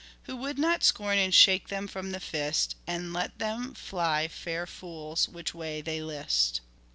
Who would not scorn and shake them from the fist And let them fly, fair fools, which way they list